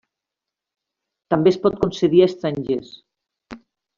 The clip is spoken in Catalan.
També es pot concedir a estrangers.